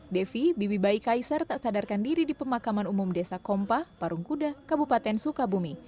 devi bibi bayi kaisar tak sadarkan diri di pemakaman umum desa kompah parungkuda kabupaten sukabumi